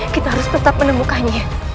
kita harus tetap menemukannya